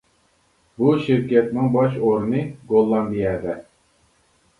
بۇ شىركەتنىڭ باش ئورنى گوللاندىيەدە.